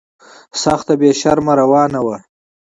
سخته بې شرمي روانه وه.